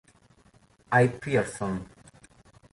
Y. Pearson.